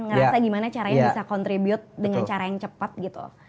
ngerasa gimana caranya bisa contribute dengan cara yang cepat gitu